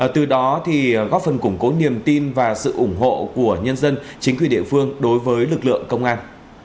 từ đó góp phần củng cố niềm tin và sự ủng hộ của nhân dân chính quyền địa phương đối với lực lượng công an